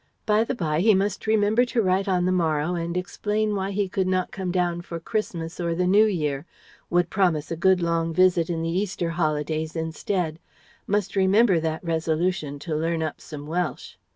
by the bye, he must remember to write on the morrow and explain why he could not come down for Christmas or the New Year ... would promise a good long visit in the Easter holidays instead Must remember that resolution to learn up some Welsh.